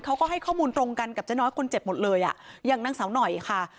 เขาก็ให้ข้อมูลตรงกันกับเจ๊น้อยคนเจ็บหมดเลยอ่ะอย่างนางสาวหน่อยค่ะ